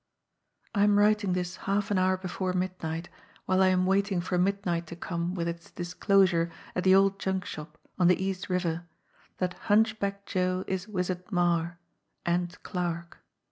"I am writing this half an hour before midnight, while I am waiting for midnight to come with its disclosure at the old junk shop on the East River that Hunchback Joe is Wizard Marre and Clarke.